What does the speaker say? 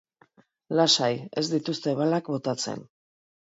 Lasai, ez dituzte balak botatzen.